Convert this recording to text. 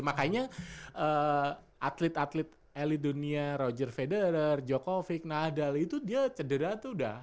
makanya atlet atlet elit dunia roger federer jokovic nadal itu dia cedera tuh udah